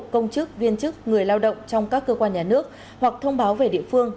công chức viên chức người lao động trong các cơ quan nhà nước hoặc thông báo về địa phương